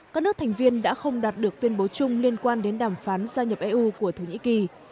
các nước thành viên đã không đạt được tuyên bố chung liên quan đến đàm phán gia nhập eu của thổ nhĩ kỳ